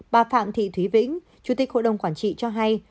bà phạm thị thúy vĩnh chủ tịch hội đồng quản trị cho hay